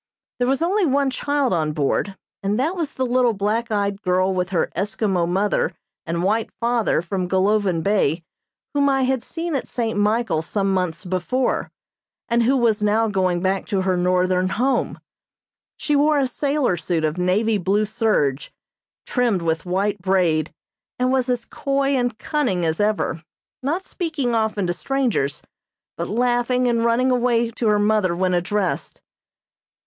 There was only one child on board, and that was the little black eyed girl with her Eskimo mother and white father from Golovin Bay whom I had seen at St. Michael some months before, and who was now going back to her northern home. She wore a sailor suit of navy blue serge, trimmed with white braid, and was as coy and cunning as ever, not speaking often to strangers, but laughing and running away to her mother when addressed.